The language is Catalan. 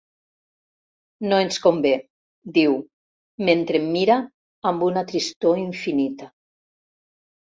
No ens convé —diu, mentre em mira amb una tristor infinita.